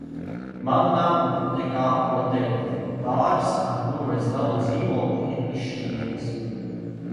Man nav nekā, ko teikt. Pāris, ar kuru es dalu dzīvokli, ir izšķīries.